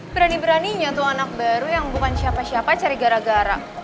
berani berani nyantu anak baru yang bukan siapa siapa cari gara gara